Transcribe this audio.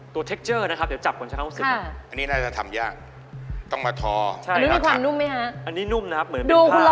ดูคุณรรณนี่เป็นคนบี้เก่งกันนะฮะ